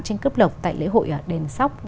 trên cướp lộc tại lễ hội đền sóc